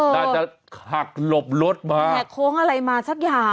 น่าจะหักหลบรถมาแหกโค้งอะไรมาสักอย่าง